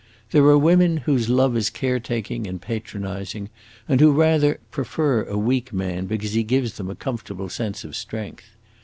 There are women whose love is care taking and patronizing, and who rather prefer a weak man because he gives them a comfortable sense of strength.